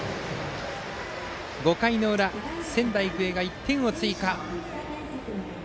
５回裏、仙台育英が１点追加。